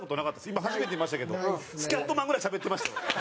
今初めて見ましたけどスキャットマンぐらいしゃべってましたよ。